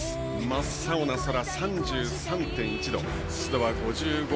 真っ青な空、３３．１度湿度は５５％。